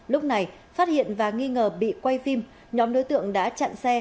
lúc này phát hiện và nghi ngờ bị quay phim nhóm đối tượng đã chặn xe